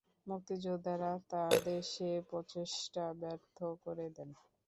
মুক্তিযোদ্ধারা তাদের সে প্রচেষ্টা ব্যর্থ করে দেন।